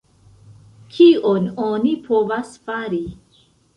Kion oni povas fari?